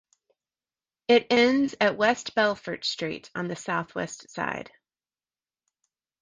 It ends at West Bellfort Street on the southwest side.